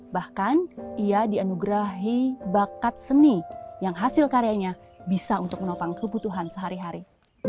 bahkan ia dianugerahi bakat seni yang hasil karyanya bisa untuk menopang kebutuhan sehari hari